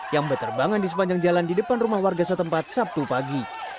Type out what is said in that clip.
yang berterbangan di sepanjang jalan di depan rumah warga setempat sabtu pagi